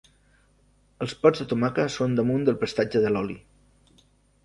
Els pots de tomàquet són damunt del prestatge de l'oli.